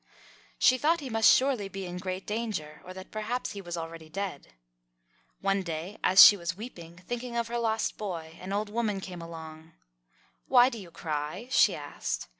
She thought he must surely be in great danger, or that perhaps he was already dead. One day, as she was weeping, thinking of her lost boy, an old woman came along. "Why do you cry?" she asked.